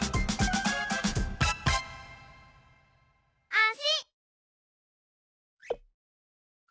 あし。